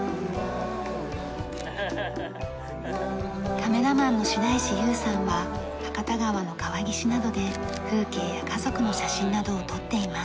カメラマンの白石悠さんは博多川の川岸などで風景や家族の写真などを撮っています。